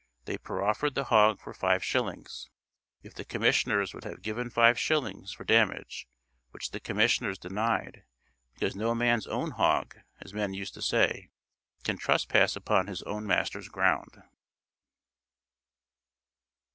They proffered the hogg for 5s. if the commissioners would have given 5s. for damage; which the commissioners denied, because noe man's own hogg (as men used to say), can trespass upon his owne master's grounde."